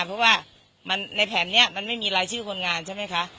เพราะว่าในแผนนี้มันไม่มีรายชื่อคนงานใช่ไหมคะ